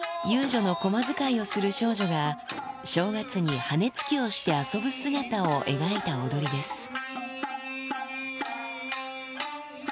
遊女の小間使いをする少女が、正月に羽根つきをして遊ぶ姿を描いた踊りです。